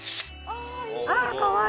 あっかわいい！